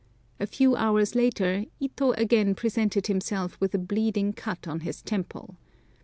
A few hours later Ito again presented himself with a bleeding cut on his temple.